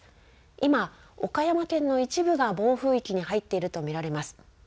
今、岡山県の一部が暴風域に入っていると見られます。